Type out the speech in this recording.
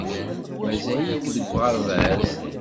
Mazal-ik deg uɣerbaz.